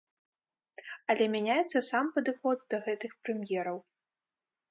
Але мяняецца сам падыход да гэтых прэм'ераў.